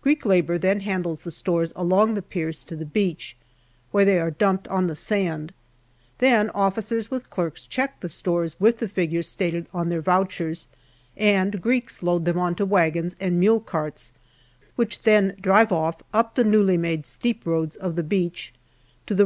Greek labour then handles the stores along the piers to the beach, where they are dumped on the sand. Then officers with clerks check the stores with the figures stated on their vouchers, and Greeks load on to wagons and mule carts, which then drive off up the newly made steep roads of the beach to the R.E.